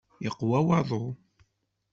Yeqwa waḍu.